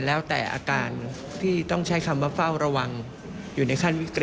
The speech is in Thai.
แล้วแต่อาการที่ต้องใช้คำว่าเฝ้าระวังอยู่ในขั้นวิกฤต